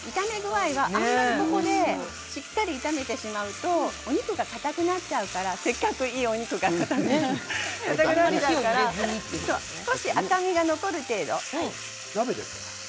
あまり、ここでしっかりと炒めてしまうとお肉がかたくなっちゃうからせっかくいいお肉がかたくなっちゃうから少し赤みが残る程度。